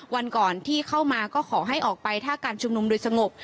วันก่อนที่เข้ามาก็ขอให้ออกไปถ้าการชุมนุมโดยสงบ